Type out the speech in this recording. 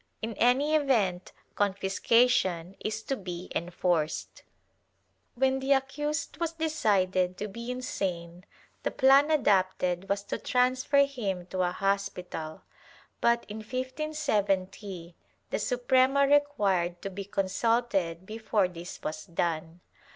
In any event confiscation is to be enforced.* When the accused was decided to be insane the plan adopted was to transfer him to a hospital, but in 1570 the Suprema required to be consulted before this was done.